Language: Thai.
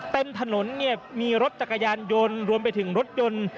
เต็มถนนเนี่ยมีรถจักรยานยนต์รวมไปถึงรถยนต์